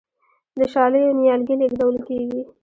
د شالیو نیالګي لیږدول کیږي.